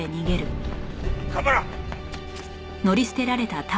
蒲原！